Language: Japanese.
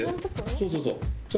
そうそうそうそう。